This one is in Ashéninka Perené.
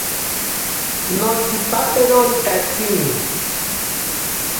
Notsipaperori katsini.